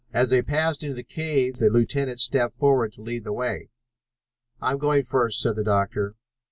As they passed into the cave the lieutenant stepped forward to lead the way. "I'm going first," said the doctor.